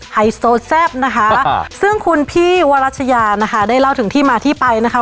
ไฮโซแซ่บนะคะซึ่งคุณพี่วรัชยานะคะได้เล่าถึงที่มาที่ไปนะคะ